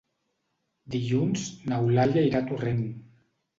Dilluns n'Eulàlia irà a Torrent.